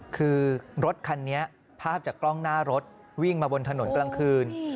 คือรถคันนี้ภาพจากกล้องหน้ารถวิ่งมาบนถนนกลางคืน